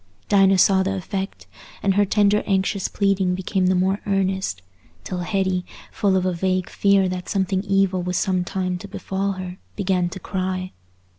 Dinah saw the effect, and her tender anxious pleading became the more earnest, till Hetty, full of a vague fear that something evil was some time to befall her, began to cry.